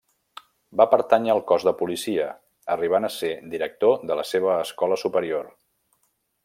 Va pertànyer al Cos de Policia, arribant a ser director de la seva Escola Superior.